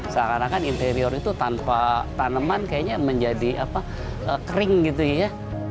seakan akan interior itu tanpa tanaman kayaknya menjadi kering gitu ya